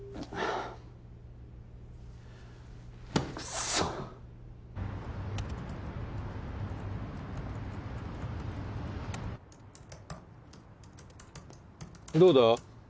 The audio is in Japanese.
クソッどうだ？